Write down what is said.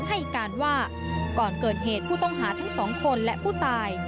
ให้การว่าก่อนเกิดเหตุผู้ต้องหาทั้งสองคนและผู้ตาย